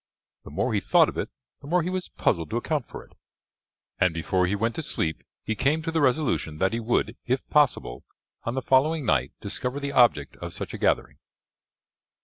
The more he thought of it the more he was puzzled to account for it, and before he went to sleep he came to the resolution that he would, if possible, on the following night discover the object of such a gathering.